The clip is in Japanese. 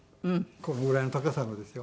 このぐらいの高さのですよ。